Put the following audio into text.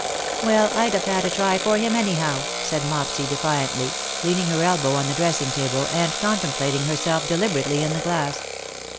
'' ''Well, I'd have had a try for him, anyhow," said Mopsy, defiantly, leaning her elbow on the dressing table, and contemplating herself deliberately in the glass.